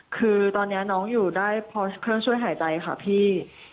คือตอนนี้น้องอยู่ได้เพราะเครื่องช่วยหายใจค่ะพี่